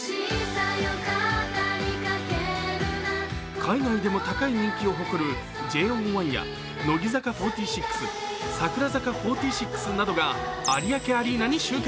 海外でも高い人気を誇るＪＯ１や乃木坂４６、櫻坂４６などが有明アリーナに集結。